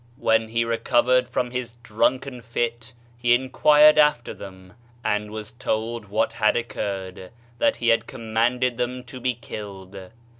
When he recovered from his drunken fit, he inquired after them and was told what had oc curred, that he had commanded them to be killed.